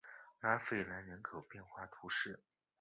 拉费兰人口变化图示